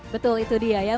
betul itu dia ya